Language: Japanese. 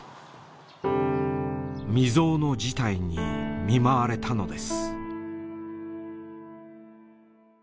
未曽有の事態に見舞われたのです。